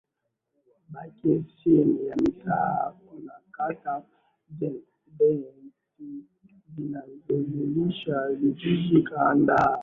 bakhsh Chini ya mitaa kuna kata dehestan zinazojumlisha vijiji kadhaa